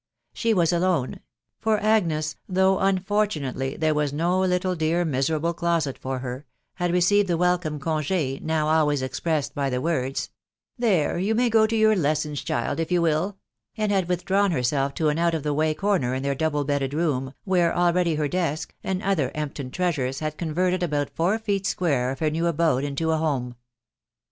She was alone ; for Agnes, though unfortunately there no little dear miserable closet for her, had received the welcome conge, now always expressed by the words, " There, you may go to your lessons, child, if you will," and had withdrawn herself to an out of the way corner in their double bedded room, where already her desk, and other Empton treasures, had converted about four feet square of her new abode into a home.